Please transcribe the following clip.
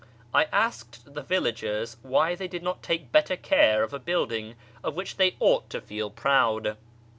I asked the villagers why they lid not take better care of a building of which they ought to "eel proud.